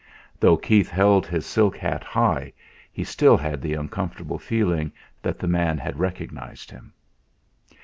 Though Keith held his silk hat high, he still had the uncomfortable feeling that the man had recognised him.